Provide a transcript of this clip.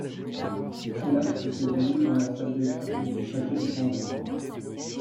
L'acte se déroule dans la salle des gardes du château de Chambord.